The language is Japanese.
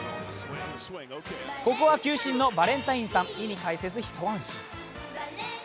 ここは球審のバレンタインさん意に介さず一安心。